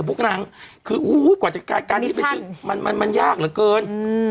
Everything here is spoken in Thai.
พวกนางคืออุ้ยกว่าจากการที่ไปซื้อมันมันยากเหลือเกิน